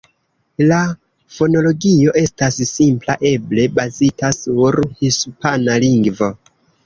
La fonologio estas simpla, eble bazita sur hispana lingvo.